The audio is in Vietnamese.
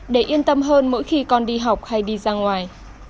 để yên tâm hơn mỗi khi con đi học hay đi ra ngoài